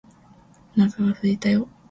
お腹がすいたよ